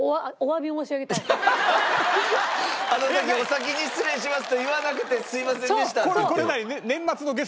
「あの時“お先に失礼します”と言わなくてすみませんでした」って言って。